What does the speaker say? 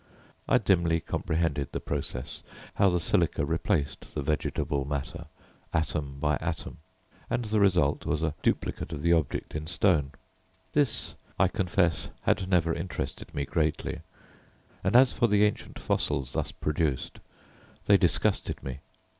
I dimly comprehended the process, how the silica replaced the vegetable matter, atom by atom, and the result was a duplicate of the object in stone. This, I confess, had never interested me greatly, and as for the ancient fossils thus produced, they disgusted me.